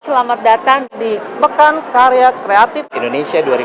selamat datang di pekan karya kreatif indonesia dua ribu dua puluh